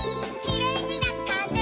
「きれいになったね」